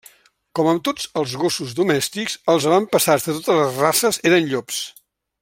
Com amb tots els gossos domèstics, els avantpassats de totes les races eren llops.